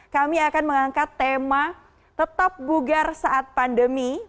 kami akan mengangkat tema tetap bugar saat pandemi